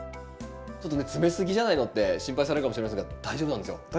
ちょっとね詰めすぎじゃないのって心配されるかもしれませんが大丈夫なんですよ。